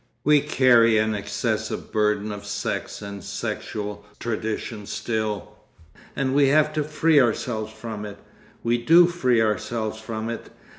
We carry an excessive burden of sex and sexual tradition still, and we have to free ourselves from it. We do free ourselves from it.